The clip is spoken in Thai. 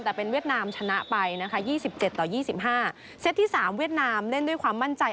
แต่เป็นเวียดนามชนะไปนะคะยี่สิบเจ็ดต่อยี่สิบห้าเซตที่สามเวียดนามเล่นด้วยความมั่นใจ